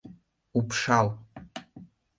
— Упшал!